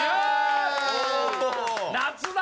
夏だ！